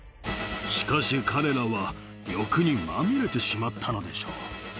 しかし、彼らは欲にまみれてしまったのでしょう。